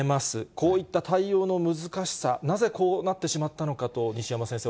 こういった対応の難しさ、なぜこうなってしまったのかと、西山先生